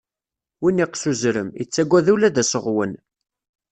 Win iqqes uzrem, ittagad ula d aseɣwen.